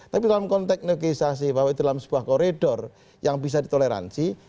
tapi dalam konteks negosiasi bahwa itu dalam sebuah koridor yang bisa ditoleransi